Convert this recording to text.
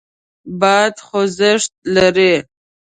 باد خوځښت لري.